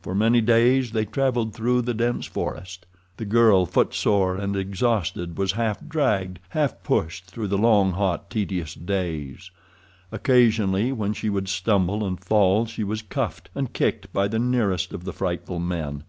For many days they traveled through the dense forest. The girl, footsore and exhausted, was half dragged, half pushed through the long, hot, tedious days. Occasionally, when she would stumble and fall, she was cuffed and kicked by the nearest of the frightful men.